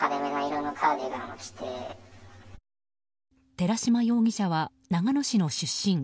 寺島容疑者は長野市の出身。